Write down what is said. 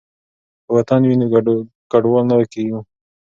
که وطن وي نو کډوال نه کیږو.